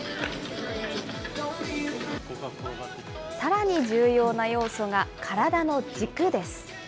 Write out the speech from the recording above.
さらに重要な要素が、体の軸です。